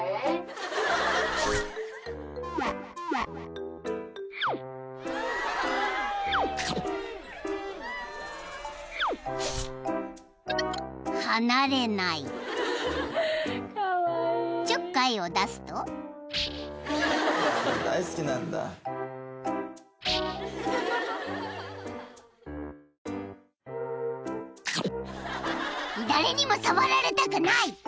［誰にも触られたくない！］